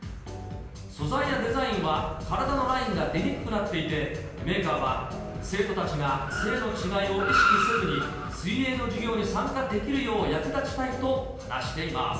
素材やデザインは体のラインが出にくくなっていて、メーカーは生徒たちが性の違いを意識せずに、水泳の授業に参加できるよう役立ちたいと話しています。